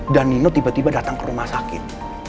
dan nino tiba tiba datang ke rumah sakit